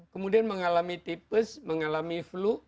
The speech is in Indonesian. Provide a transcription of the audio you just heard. kemudian mengalami tipis mengalami flu